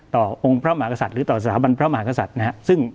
องค์พระมหากษัตริย์หรือต่อสถาบันพระมหากษัตริย์นะครับ